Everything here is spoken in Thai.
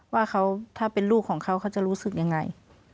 ว่าเขาถ้าเป็นลูกของเขาเขาจะรู้สึกยังไง